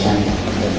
kita tidak bisa